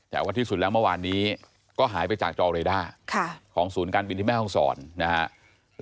แต่ว่าที่สุดแล้วเมื่อวานนี้ก็หายไปจากจอเรด้าของศูนย์การบินที่แม่ห้องศรนะครับ